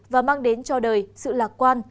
và mang đến cho đời sự lạc quan